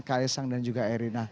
ksang dan juga erina